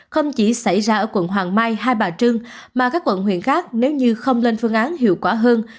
không chỉ xảy ra ở quận hoàng mai hai bà trưng mà các quận huyện khác nếu như không lên phương án hiệu quả hơn